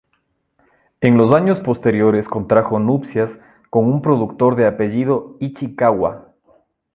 En los años posteriores contrajo nupcias, con un productor de apellido Ichikawa.